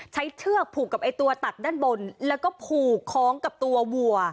เชือกผูกกับไอ้ตัวตัดด้านบนแล้วก็ผูกคล้องกับตัววัว